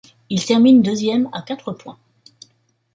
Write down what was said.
Ils terminent deuxième à quatre points.